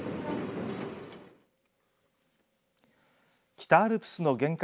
北アルプスの玄関